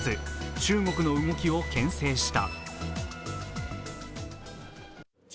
中国の動きを牽制した。